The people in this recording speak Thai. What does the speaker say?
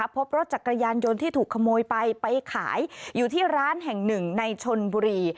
พบรถจักรยานยนต์ที่ถูกขโมยไปไปขายอยู่ที่ร้านแห่งหนึ่งในชนบุรี